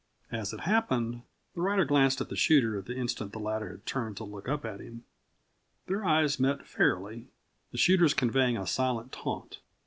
As it happened, the rider glanced at the shooter at the instant the latter had turned to look up at him. Their eyes met fairly, the shooter's conveying a silent taunt.